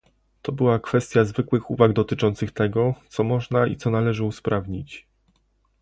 To była kwestia zwykłych uwag dotyczących tego, co można i co należy usprawnić